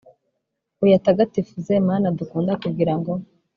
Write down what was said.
uyatagatifuze, mana dukunda, kugira ngo